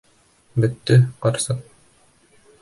Бөттө, ҡарсыҡ!